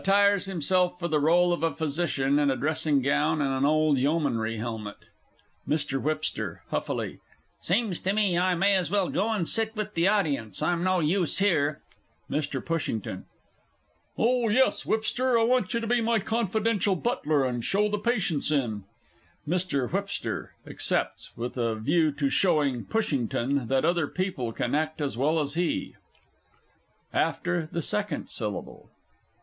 [Attires himself for the rôle of a Physician in a dressing gown and an old yeomanry helmet. MR. WHIPSTER (huffily). Seems to me I may as well go and sit with the audience I'm no use here! MR. PUSHINGTON. Oh, yes, Whipster, I want you to be my confidential butler, and show the patients in. [MR. W. accepts with a view to showing PUSHINGTON that other people can act as well as he. AFTER THE SECOND SYLLABLE.